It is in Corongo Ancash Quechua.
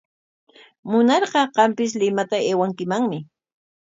Munarqa qampis Limata aywankimanmi.